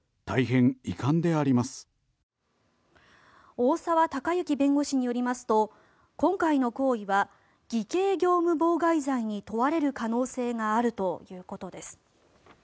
大澤孝征弁護士によりますと今回の行為は偽計業務妨害罪に問われる可能性があるということです。